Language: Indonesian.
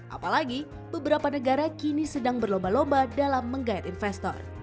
apalagi beberapa negara kini sedang berlomba lomba dalam menggayat investor